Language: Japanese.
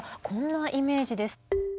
こんなイメージです。